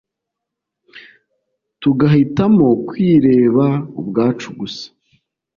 tugahitamo kwireba ubwacu gusa